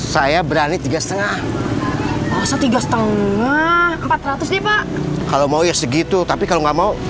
terima kasih pak